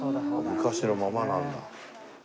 昔のままなんだ。